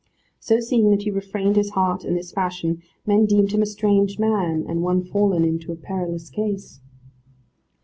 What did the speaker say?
So seeing that he refrained his heart in this fashion, men deemed him a strange man, and one fallen into a perilous case.